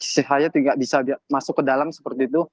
si hayat tidak bisa masuk ke dalam seperti itu